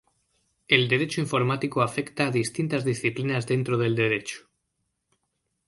El Derecho Informático afecta a distintas disciplinas dentro del Derecho.